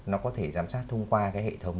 nó có thể giám sát thông qua cái hệ thống